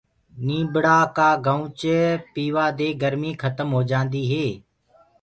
نيبڙآ گنوُچ پيوآ دي گرمي کتم هوندي هي۔